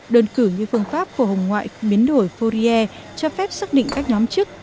đồn cử như phương pháp phổ hồng ngoại biến đổi fourier cho phép xác định các nhóm chức